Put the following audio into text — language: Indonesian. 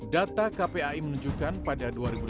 data kpai menunjukkan pada dua ribu delapan belas